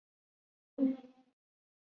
氧化可能经由铁细菌的酶促反应发生。